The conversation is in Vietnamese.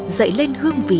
dậy lên hương vị